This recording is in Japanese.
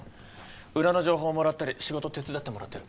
裏の情報をもらったり仕事手伝ってもらってる。